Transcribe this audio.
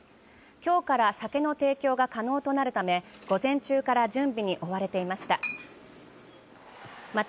今日から酒の提供が可能となるため午前中から準備に追われていました。